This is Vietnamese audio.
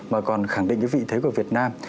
mà còn khẳng định cái vị thế của việt nam